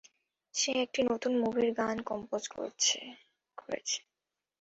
সে একটা নতুন মুভির গান কম্পোজ করেছে।